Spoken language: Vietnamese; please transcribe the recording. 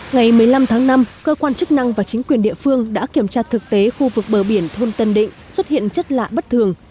ngày một mươi năm tháng năm cơ quan chức năng và chính quyền địa phương đã kiểm tra thực tế khu vực bờ biển thôn tân định xuất hiện chất lạ bất thường